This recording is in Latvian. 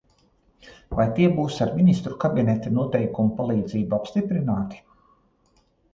Vai tie būs ar Ministru kabineta noteikumu palīdzību apstiprināti?